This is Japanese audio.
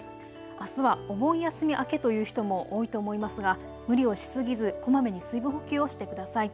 あすはお盆休み明けという人も多いと思いますが無理をしすぎずこまめに水分補給をしてください。